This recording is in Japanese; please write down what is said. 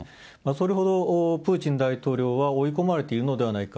それほどプーチン大統領は追い込まれているのではないか。